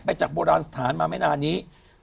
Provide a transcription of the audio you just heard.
จากโบราณสถานมาไม่นานนี้